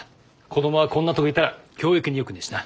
子どもはこんなとこいたら教育によくねえしな。